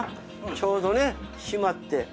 ちょうどね島って。